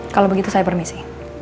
kalau begitu saya permisi